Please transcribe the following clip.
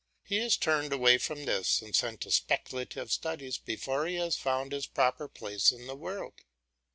He is turned away from this and sent to speculative studies before he has found his proper place in the world.